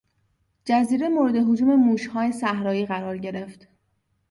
جزیره مورد هجوم موشهای صحرایی قرار گرفت.